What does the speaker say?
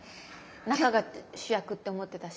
中が主役って思ってたし。